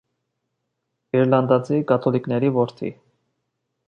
Իռլանդացի կաթոլիկների որդի։